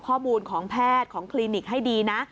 ข้อมูลของแพทย์ของคลินิกให้ดีนะ